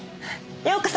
ようこそ。